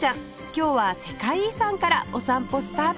今日は世界遺産からお散歩スタートです